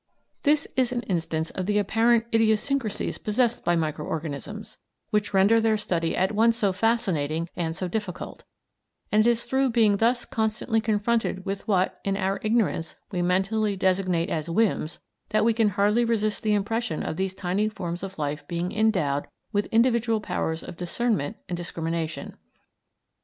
This is an instance of the apparent idiosyncrasies possessed by micro organisms, which render their study at once so fascinating and so difficult, and it is through being thus constantly confronted with what, in our ignorance, we mentally designate as "whims," that we can hardly resist the impression of these tiny forms of life being endowed with individual powers of discernment and discrimination.